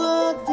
ah asik banget